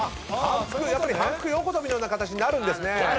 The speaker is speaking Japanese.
やっぱり反復横跳びのような形になるんですね。